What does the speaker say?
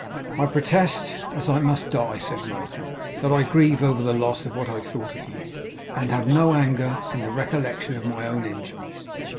'I protest, as I must die,' said Martin, 'that I grieve over the loss of what I thought you; and have no anger in the recollection of my own injuries.